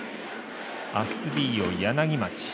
アストゥディーヨ、柳町。